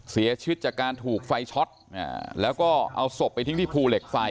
เสียชีวิตจากการถูกไฟช็อตแล้วก็เอาศพไปทิ้งที่ภูเหล็กไฟ